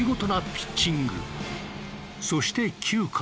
そして９回。